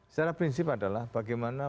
secara prinsip adalah bagaimana